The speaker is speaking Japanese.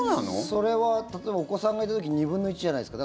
それは例えばお子さんがいた時に２分の１じゃないですか。